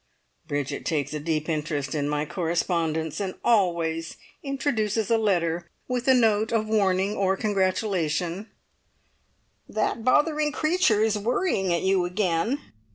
Bridget takes a deep interest in my correspondence, and always introduces a letter with a note of warning or congratulation: "That bothering creature is worrying at you again!"